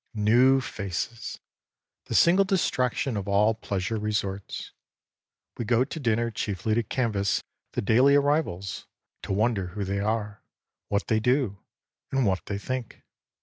New faces! the single distraction of all pleasure resorts. We go to dinner chiefly to canvass the daily arrivals, to wonder who they are, what they do and what they think.